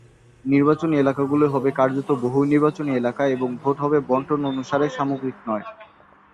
নির্বাচনী এলাকাগুলি হবে কার্যত বহু নির্বাচনী এলাকা এবং ভোট হবে বণ্টন অনুসারে, সামগ্রিক নয়।